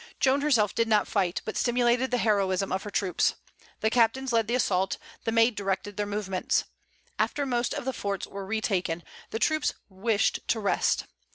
Joan herself did not fight, but stimulated the heroism of her troops. The captains led the assault; the Maid directed their movements. After most of the forts were retaken, the troops wished to rest.